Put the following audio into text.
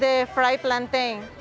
dan juga kacang merah dikacang